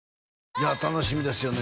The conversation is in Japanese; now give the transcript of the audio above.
いや楽しみですよね